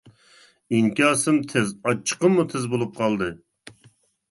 ئىنكاسىم تېز، ئاچچىقىممۇ تېز بولۇپ قالدى.